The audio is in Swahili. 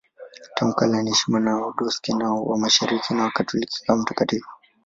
Tangu kale anaheshimiwa na Waorthodoksi wa Mashariki na Wakatoliki kama mtakatifu.